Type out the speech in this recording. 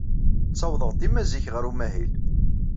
Ttawḍeɣ dima zik ɣer umahil.